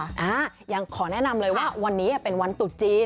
อ่ายังขอแนะนำเลยว่าวันนี้เป็นวันตุดจีน